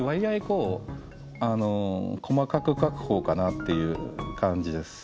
こう細かく描く方かなっていう感じです。